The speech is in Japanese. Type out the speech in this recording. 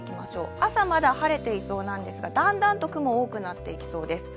朝まだ晴れていそうなんですがだんだんと雲が多くなっていきそうです。